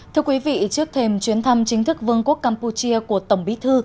thưa quý vị trước thềm chuyến thăm chính thức vương quốc campuchia của tổng bí thư